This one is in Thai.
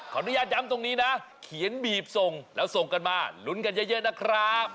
อนุญาตย้ำตรงนี้นะเขียนบีบส่งแล้วส่งกันมาลุ้นกันเยอะนะครับ